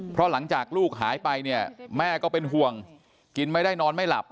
เพราะหลังจากลูกหายไปเนี่ยแม่ก็เป็นห่วงกินไม่ได้นอนไม่หลับ